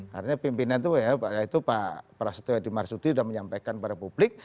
karena pimpinan itu ya itu pak prasetyo yadimarsuti sudah menyampaikan kepada publik